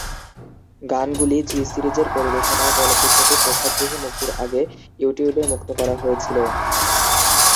গানগুলি জি-সিরিজের পরিবেশনায় চলচ্চিত্রটির প্রেক্ষাগৃহে মুক্তির আগে ইউটিউবে মুক্ত করা হয়েছিল।